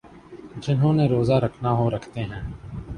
جنہوں نے روزہ رکھنا ہو رکھتے ہیں۔